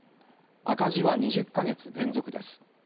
赤字は２０ヶ月連続です。